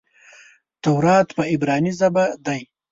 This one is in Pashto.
تورات په عبراني ژبه دئ.